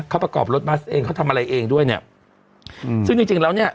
เขาประกอบรถบัสเองเขาทำอะไรเองด้วยเนี้ยอืมซึ่งจริงจริงแล้วเนี้ย